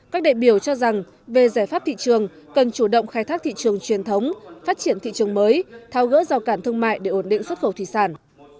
các đại biểu cho rằng về giải pháp thị trường cần chủ động khai thác thị trường truyền thống phát triển thị trường mới thao gỡ rào cản thương mại để ổn định xuất khẩu thủy sản